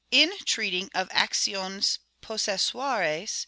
In treating of actions possessoires, M.